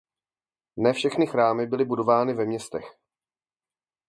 Ne všechny chrámy byly budovány ve městech.